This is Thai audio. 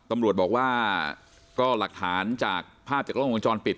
ตำรวจบอกว่าก็หลักฐานจากภาพจากกล้องวงจรปิด